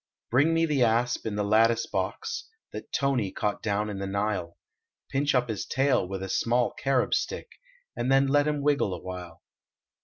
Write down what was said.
Bring me the asp in the lattice box That Tony caught down in the Nile. Pinch up his tail with a small carob stick And then let him wiggle awhile.